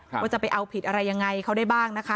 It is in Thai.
ว่าจะไปเอาผิดอะไรยังไงเขาได้บ้างนะคะ